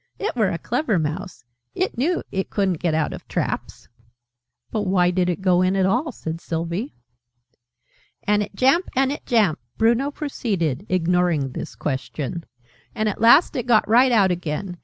"It were a clever mouse. It knew it couldn't get out of traps!" "But why did it go in at all?" said Sylvie. " and it jamp, and it jamp," Bruno proceeded, ignoring this question, "and at last it got right out again.